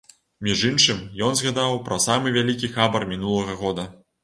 Між іншым, ён згадаў пра самы вялікі хабар мінулага года.